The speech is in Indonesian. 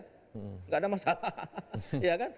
tidak ada masalah